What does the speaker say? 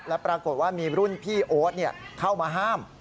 แล้วปรากฏว่ามีรุ่นพี่โอ๊ตเข้ามาห้าม